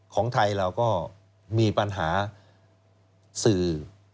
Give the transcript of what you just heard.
ของไทยเราก็มีปัญหาสื่อ